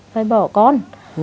phải bỏ con